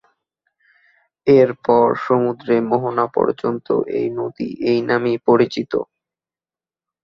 এরপর সমুদ্রে মোহনা পর্যন্ত এই নদী এই নামেই পরিচিত।